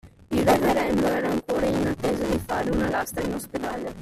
Il Reverendo era ancora in attesa di fare una lastra in ospedale.